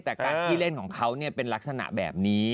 แต่การขี้เล่นของเขาเป็นลักษณะแบบนี้